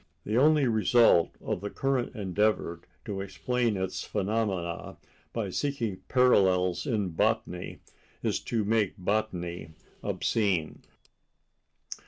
The only result of the current endeavor to explain its phenomena by seeking parallels in botany is to make botany obscene....